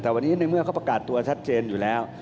แต่วันนี้ในเมื่อเขาประกาศตัวชัดเจนอยู่แล้ว